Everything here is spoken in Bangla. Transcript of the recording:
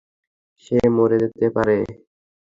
সে মরে যেতে পারে।